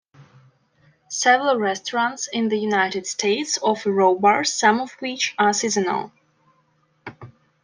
Several restaurants in the United States offer raw bars, some of which are seasonal.